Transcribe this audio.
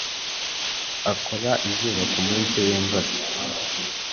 akora izuba kumunsi wimvura